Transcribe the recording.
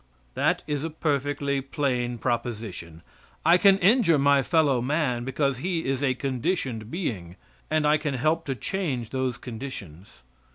That is a perfectly plain proposition. I can injure my fellow man, because he is a conditioned being, and I can help to change those conditions.